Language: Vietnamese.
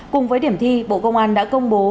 cùng với điểm thi bộ công an đã công bố